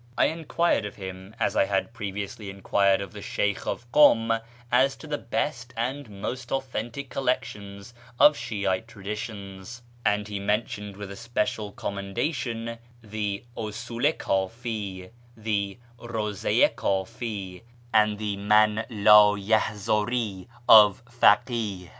I enquired of him, as I had previously enquired of the Sheykh of Kum, as to the best and most authentic collections of Shi'ite traditions, and he mentioned with especial commendation the Usul i Kdfi, the Rcavza i Kdfi, and the Man Id yahzuri of Fakih.